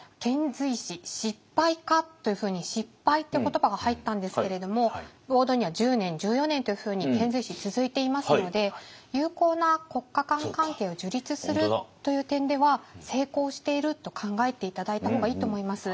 遣隋使「しっぱいか？」というふうに失敗って言葉が入ったんですけれどもボードには１０年１４年というふうに遣隋使続いていますので友好な国家間関係を樹立するという点では成功していると考えて頂いた方がいいと思います。